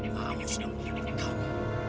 kamu sudah menghidupkan kami